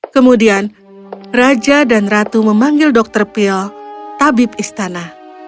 kemudian raja dan ratu memanggil dr peel tabib istana